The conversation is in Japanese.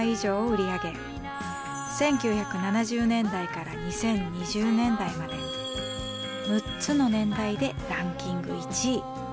１９７０年代から２０２０年代まで６つの年代でランキング１位。